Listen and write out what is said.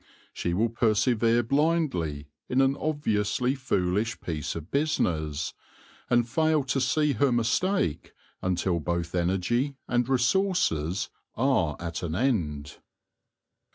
She will persevere blindly in an obviously foolish piece of business, and fail to see her mistake until both energy and resources are at an end.